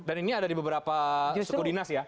dan ini ada di beberapa suku dinas ya